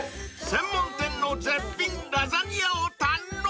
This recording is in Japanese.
［専門店の絶品ラザニアを堪能］